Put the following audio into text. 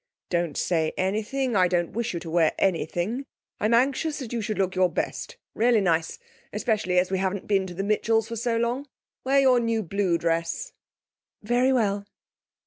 'Don't say anything. I don't wish you to wear anything. I'm anxious you should look your best, really nice, especially as we haven't been to the Mitchells' for so long. Wear your new blue dress.' 'Very well.'